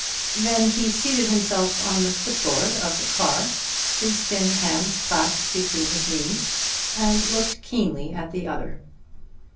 Then he seated himself on the foot board of the car, his thin hands clasped between his knees, and looked keenly at the other.